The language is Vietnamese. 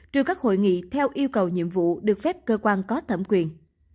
trừ các hội nghị theo yêu cầu nhiệm vụ được phép cơ quan có thẩm quyền